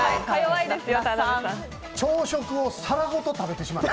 朝食を皿ごと食べてしまった。